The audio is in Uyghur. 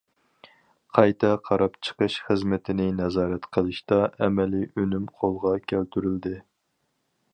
« قايتا قاراپ چىقىش» خىزمىتىنى نازارەت قىلىشتا ئەمەلىي ئۈنۈم قولغا كەلتۈرۈلدى.